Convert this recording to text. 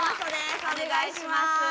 お願いします。